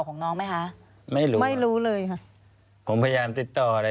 ควิทยาลัยเชียร์สวัสดีครับ